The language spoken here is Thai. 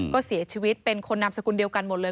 ก็เสียชีวิตเป็นคนนามสกุลเดียวกันหมดเลย